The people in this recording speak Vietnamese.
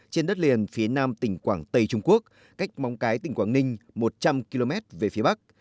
trên đất liền phía nam tỉnh quảng tây trung quốc cách móng cái tỉnh quảng ninh một trăm linh km về phía bắc